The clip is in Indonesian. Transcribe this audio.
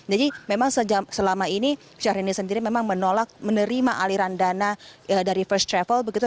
jadi memang selama ini syahrini sendiri memang menolak menerima aliran dana dari first travel begitu